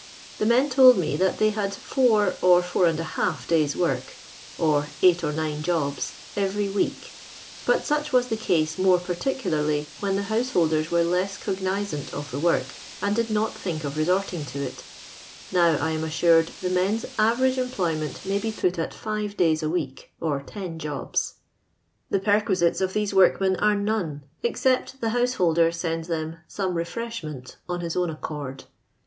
The men told me that they had four or four and a half days* work (or eight or nine jobs) every week; but such was the ease more particu larly when the householders were less cog nizant of the work, and did not think of resorting to it ; now, I am assured, the men's average employment may bo put at five days a week, or ten jobs. The perquisites of these workmen are none, except the householder sends them some re freshment on his own accord.